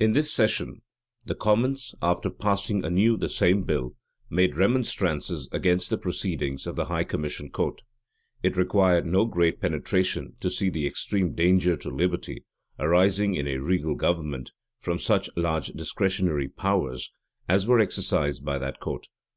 In this session, the commons, after passing anew the same bill, made remonstrances against the proceedings of the high commission court.[] It required no great penetration to see the extreme danger to liberty, arising in a regal government, from such large discretionary powers as were exercised by that court.